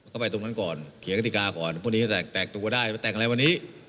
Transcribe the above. ก็ไปตรงนั้นก่อนเขียนกฎิกาก่อนพรุ่งนี้จะแตกตัวได้ไปแต่งอะไรวันนี้